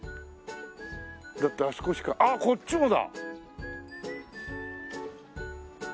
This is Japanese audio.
だってあそこしかあっこっちもだ！